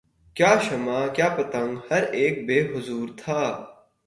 کیا شمع کیا پتنگ ہر اک بے حضور تھا